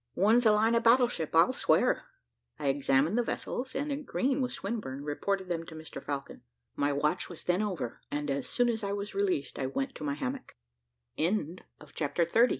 One's a line of battle ship, I'll swear." I examined the vessels, and agreeing with Swinburne, reported them to Mr Falcon. My watch was then over, and as soon as I was released I went to my hammock. CHAPTER THIRTY ONE. CAPTAIN KEARNEY THE DIGNITY BALL. T